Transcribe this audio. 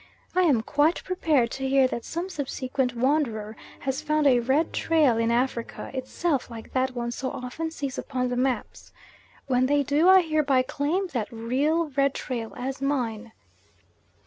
I am quite prepared to hear that some subsequent wanderer has found a red trail in Africa itself like that one so often sees upon the maps. When they do, I hereby claim that real red trail as mine.